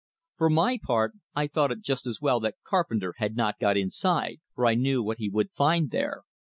For my part, I thought it just as well that Carpenter had not got inside, for I knew what he would find there.